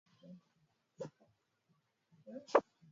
Kudhibiti ukurutu miongoni mwa binadamu